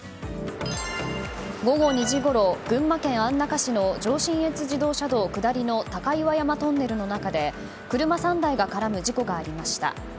午後２時ごろ群馬県安中市の上信越自動車道下りの高岩山トンネルの中で車３台が絡む事故がありました。